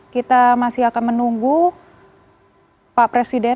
kita masih akan menunggu pak presiden